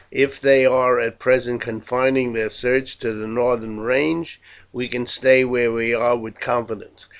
If they are at present confining their search to the northern range we can stay where we are with confidence.